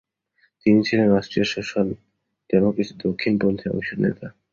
তিনি ছিলেন অস্ট্রিয়ার সোশ্যাল-ডেমোক্রাসির দক্ষিণপন্থী অংশের নেতা।